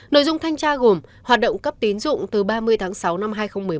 nội dung thanh tra gồm hoạt động cấp tín dụng từ ba mươi tháng sáu năm hai nghìn một mươi bảy